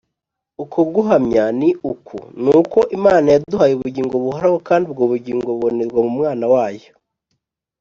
uko guhamya ni uku, ni uko Imana yaduhaye ubugingo buhoraho kandi ubwo bugingo bubonerwa mu Mwana wayo.